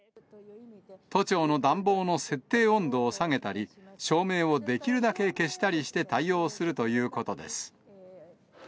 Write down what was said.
都庁の暖房の設定温度を下げたり、照明をできるだけ消したりして対応するということです。